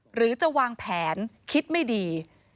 หรือจะวางแผนคิดไม่ดี